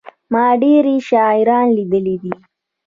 ما ډېري شاعران لېدلي دي.